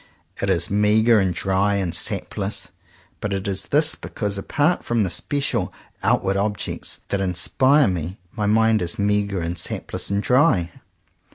It is meagre and dry and sapless. But it is this because, apart from the special outward objects that inspire me, my mind is meagre, and sapless, and dry.